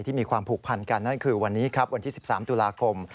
มีความผูกพันกันนั่นคือวันนี้ครับวันที่๑๓ตุลาคม